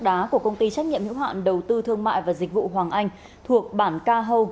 đất đá của công ty trách nhiệm hữu hạn đầu tư thương mại và dịch vụ hoàng anh thuộc bản ca hâu